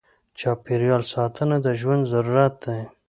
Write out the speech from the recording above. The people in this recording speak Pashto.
چاپېریال ساتنه د ژوند ضرورت دی.